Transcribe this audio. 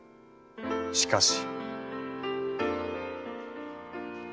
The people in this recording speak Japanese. しかし。